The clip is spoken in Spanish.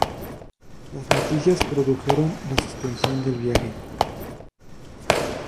Las noticias produjeron la suspensión del viaje.